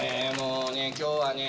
今日はね。